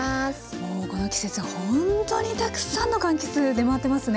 もうこの季節ほんっとにたくさんのかんきつ出回ってますね。